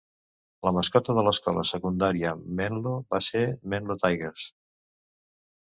La mascota del l'escola secundària Menlo va ser Menlo Tigers.